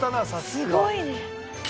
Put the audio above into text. すごいね。